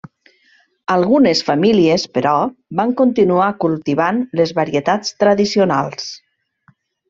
Algunes famílies, però, van continuar cultivant les varietats tradicionals.